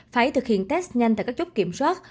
phải thực hiện test nhanh tại các chốt kiểm soát